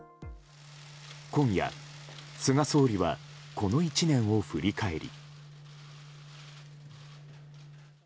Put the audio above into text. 今夜、菅総理はこの１年を振り返り。